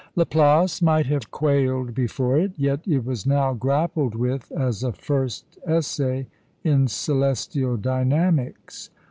Laplace might have quailed before it; yet it was now grappled with as a first essay in celestial dynamics.